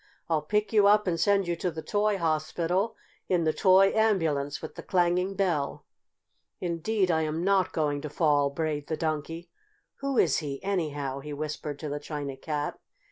I'll pick you up and send you to the toy hospital in the toy ambulance with the clanging bell." "Indeed I am not going to fall!" brayed the Donkey. "Who is he, anyhow?" he whispered to the China Cat.